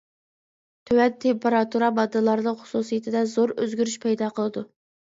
تۆۋەن تېمپېراتۇرا ماددىلارنىڭ خۇسۇسىيىتىدە زور ئۆزگىرىش پەيدا قىلىدۇ.